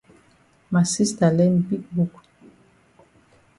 Ma sista learn big book.